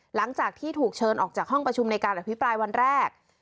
หลังจากที่ถูกเชิญออกจากห้องประชุมในการอภิปรายวันแรก